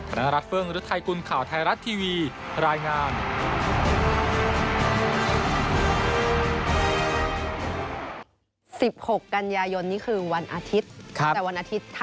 พนักรัฐเฟิร์งหรือไทยกุลข่าวไทยรัฐทีวีรายงาน